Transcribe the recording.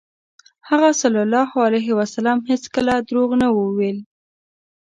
هغه ﷺ هېڅکله دروغ ونه ویل.